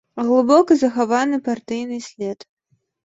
Глыбока захаваны партыйны след.